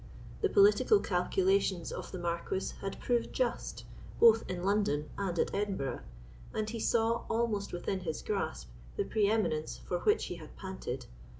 The political calculations of the Marquis had proved just, both in London and at Edinburgh, and he saw almost within his grasp the pre eminence for which he had panted.